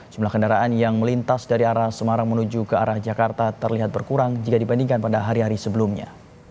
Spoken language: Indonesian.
jumlah kendaraan yang melintas dari arah semarang menuju ke arah jakarta terlihat berkurang jika dibandingkan pada hari hari sebelumnya